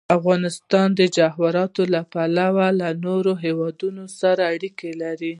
افغانستان د جواهرات له پلوه له نورو هېوادونو سره اړیکې لري.